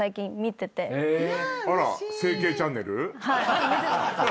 はい。